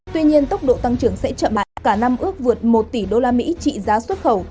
tuy nhiên tốc độ tăng trưởng sẽ chậm lại cả năm ước vượt một tỷ usd trị giá xuất khẩu